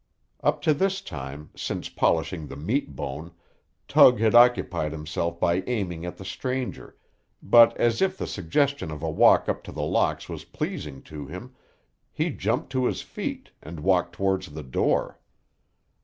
Up to this time, since polishing the meat bone, Tug had occupied himself by aiming at the stranger, but as if the suggestion of a walk up to The Locks was pleasing to him, he jumped to his feet, and walked towards the door.